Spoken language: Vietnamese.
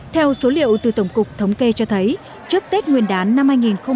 theo số liệu từ tổng cục thống kê cho thấy trước tết nguyên đán năm hai nghìn hai mươi